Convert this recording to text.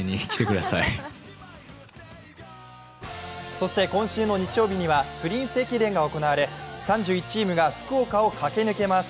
そして今週の日曜日にはプリンセス駅伝が行われ３１チームが福岡を駆け抜けます。